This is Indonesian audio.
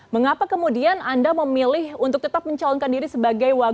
mengapa kemudian anda memilih untuk tetap mencalonkan diri sebagai wakil